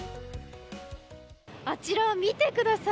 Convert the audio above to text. あちら見てください